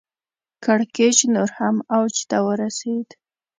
کړکېچ نور هم اوج ته ورسېد.